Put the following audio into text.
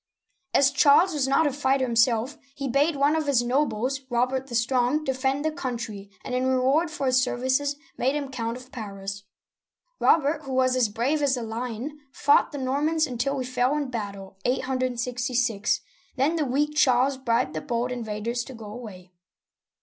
As Charles was not a fighter himself, he bade one of his nobles, Robert the Strong, defend the country, and in re ward for his services made him Count of Paris. Robert, who was as brave as a lion, fought the Normans until he uigitizea Dy vjjOOQIC 92 OLD FRANCE fell in battle (866) ; then the weak Charles bribed the bold invaders to go away.